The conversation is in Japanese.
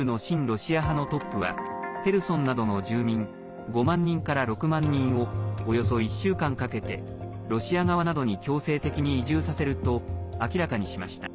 ロシア派のトップはヘルソンなどの住民５万人から６万人をおよそ１週間かけてロシア側などに強制的に移住させると明らかにしました。